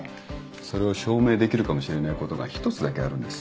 それを証明できるかもしれないことが１つだけあるんです。